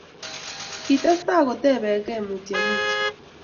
kitestai kotebekei mutyo mutyo